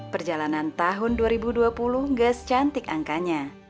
perjalanan tahun dua ribu dua puluh gak secantik angkanya